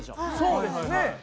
そうですね。